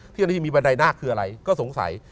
ที่มีบันไดนาคคืออะไรก็สงสัย